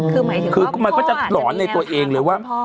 คือหมายถึงว่าพ่ออาจจะมีแนวทางกับพ่อ